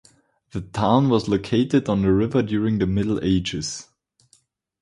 The town was located on the river during the Middle Ages.